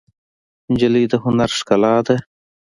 نجلۍ د هنر ښکلا ده.